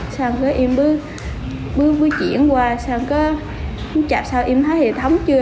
sao em cứ chuyển qua sao em cứ chạp sao em thấy hệ thống chưa